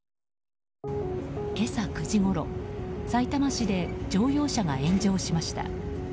今朝９時ごろ、さいたま市で乗用車が炎上しました。